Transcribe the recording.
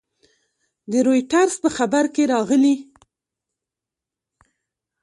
د رویټرز په خبر کې راغلي